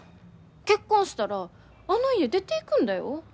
結婚したらあの家出ていくんだよ。